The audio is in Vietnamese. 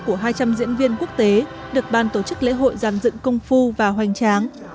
của hai trăm linh diễn viên quốc tế được ban tổ chức lễ hội giàn dựng công phu và hoành tráng